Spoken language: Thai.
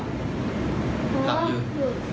อ๋ออยู่ศิษย์ไฟแดงครับ